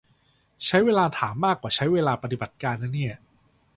ใช้เวลาถามมากกว่าใช้เวลาปฏิบัติการนะเนี่ย